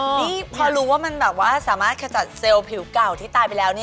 นี่พอรู้ว่ามันแบบว่าสามารถขจัดเซลล์ผิวเก่าที่ตายไปแล้ว